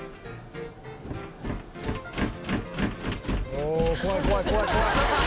「おお怖い怖い怖い怖い！」